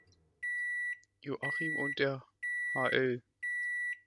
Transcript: Joachim und der Hl.